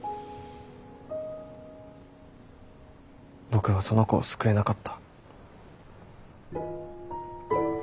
僕はその子を救えなかった。